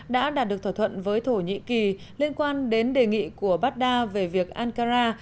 đã đạt được thỏa thuận với thổ nhĩ kỳ liên quan đến đề nghị của baghdad về việc ankara